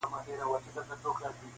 دوه او درې ځله غوټه سو په څپو کي-